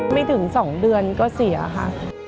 ไม่ถึง๒เดือนก็เสียค่ะ